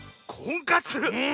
うん！